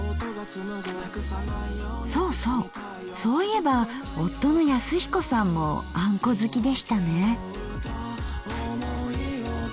そうそうそういえば夫の恭彦さんもあんこ好きでしたね。